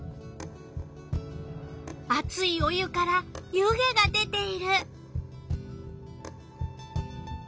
あついお湯から湯気が出ている。